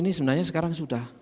ini sebenarnya sekarang sudah